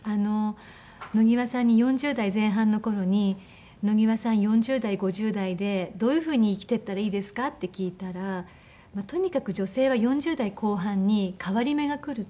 野際さんに４０代前半の頃に「野際さん４０代５０代でどういうふうに生きていったらいいですか？」って聞いたらとにかく女性は４０代後半に変わり目が来ると。